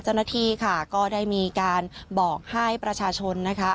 เจ้าหน้าที่ค่ะก็ได้มีการบอกให้ประชาชนนะคะ